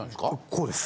こうです！